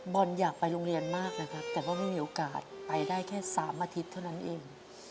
อยากไปโรงเรียนมากนะครับแต่ว่าไม่มีโอกาสไปได้แค่๓อาทิตย์เท่านั้นเอง